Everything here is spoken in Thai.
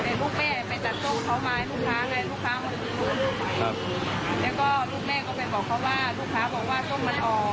ให้เขาไปขอกลับมาส่งลูกสาวผม